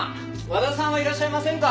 和田さんはいらっしゃいませんか？